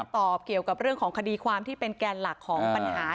ตอบเกี่ยวกับเรื่องของคดีความที่เป็นแกนหลักของปัญหา